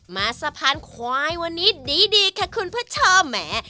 มาสะพานควายวันนี้ดีค่ะคุณผู้ชมแหม